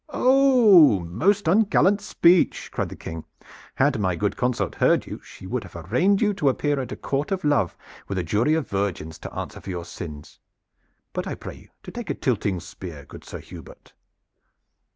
"Oh, most ungallant speech!" cried the King. "Had my good consort heard you she would have arraigned you to appear at a Court of Love with a jury of virgins to answer for your sins. But I pray you to take a tilting spear, good Sir Hubert!"